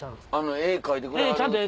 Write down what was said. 絵描いてくれはるって。